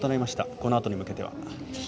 このあとに向けては？